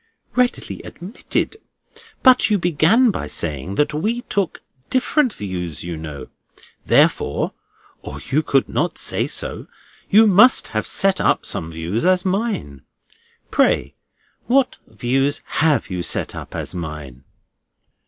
"Readily admitted. But you began by saying that we took different views, you know. Therefore (or you could not say so) you must have set up some views as mine. Pray, what views have you set up as mine?"